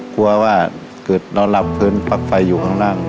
กลัวว่าเกิดเราหลับเพลินปักไฟอยู่ข้างหลัง